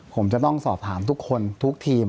ผมจะต้องสอบถามทุกคนทุกทีม